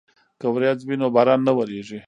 که وریځ وي نو باران نه وریږي.